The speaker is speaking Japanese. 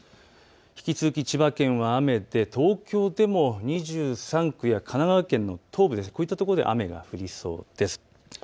引き続き千葉県は雨で東京でも２３区や神奈川県の東部、こういったところで雨が降りそうです。